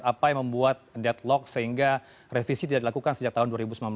apa yang membuat deadlock sehingga revisi tidak dilakukan sejak tahun dua ribu sembilan belas